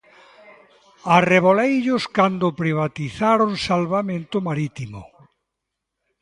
Arreboleillos cando privatizaron salvamento marítimo.